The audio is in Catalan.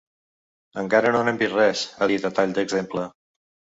Encara no n’hem vist res, ha dit a tall d’exemple.